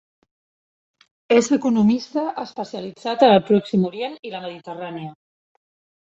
És economista especialitzat en el Pròxim Orient i la Mediterrània.